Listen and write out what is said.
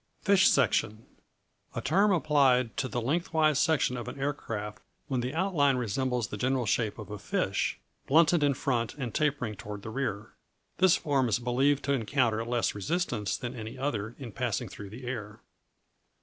Fish Section A term applied to the lengthwise section of an aircraft when the outline resembles the general shape of a fish blunted in front and tapering toward the rear. This form is believed to encounter less resistance than any other, in passing through the air.